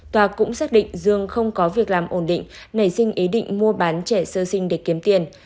tòa cũng xác định dương không có việc làm ổn định nảy sinh ý định mua bán trẻ sơ sinh để kiếm tiền